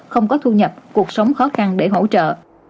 không có thu nhập cuộc sống khó khăn để hỗ trợ